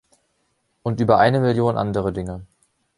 Und über eine Million andere Dinge.